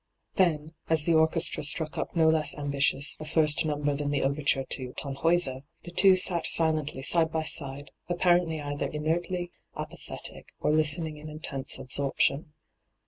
Then, as the orchestra struck up no less ambitions a first number than the overture to ' Tannhauser,' the two sat silently side by side, apparently either inertly apathetic or listening in intense absorption.